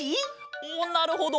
おっなるほど。